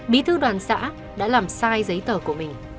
bí thư đoàn xã đã làm sai giấy tờ của mình